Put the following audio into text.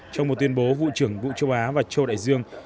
trong một tuyên bố vụ trưởng vụ châu á và châu đại dương